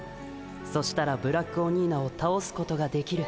そしたらブラックオニーナをたおすことができる。